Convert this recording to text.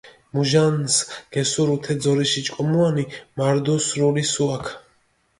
მუჟანს გესურუ თე ძორიში ჭკომუანი, მარდუ სრული სუაქ.